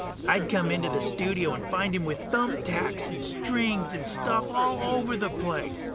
I'd come into the studio and find him with thumb tacks and strings and stuff all over the place.